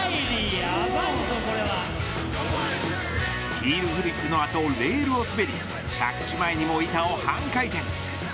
ヒールフリップの後レールを滑り着地前にも板を半回転。